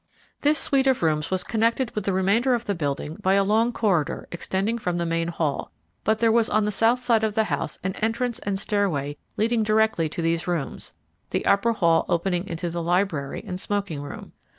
This suite of rooms was connected with the remainder of the building by a long corridor extending from the main hall, but there was on the south side of the house an entrance and stairway leading directly to these rooms, the upper hall opening into the library and smoking room.